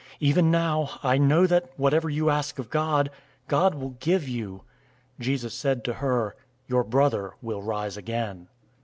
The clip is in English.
011:022 Even now I know that, whatever you ask of God, God will give you." 011:023 Jesus said to her, "Your brother will rise again."